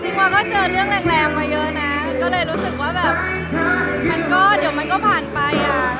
จริงว่าก็เจอเรื่องแรงมาเยอะนะก็เลยรู้สึกว่าเดี๋ยวมันก็ผ่านไป